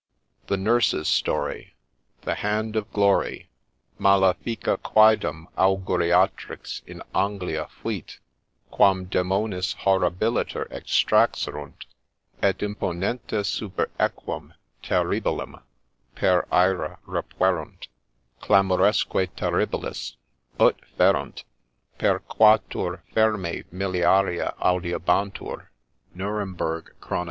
THE NURSE'S STORY THE HAND OF GLORY * Malefica quaedara auguriatrix in Anglia fuit, quam demones horribiliter extraxerunt, et imponentes super equum terribilem, per aera rapuerunt ; Clamoresque terribiles (ut ferunt) per quatuor fernit; miliaria audiebantur.' Nwemb. Chron.